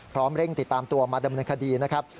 เร่งติดตามตัวมาดำเนินคดีนะครับ